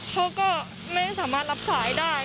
เขาก็ไม่สามารถรับสายได้